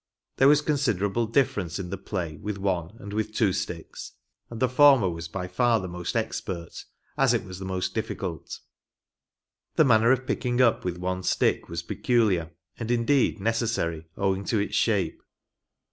There was considerable diflference in the play with one and with two sticks, and the former was by far the most expert, as it was the most difficult. The manner of picking up with one stick was peculiar, and indeed, necessary, owing to its shape.